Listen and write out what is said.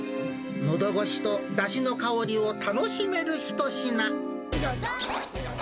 のどごしとだしの香りを楽しめる一品。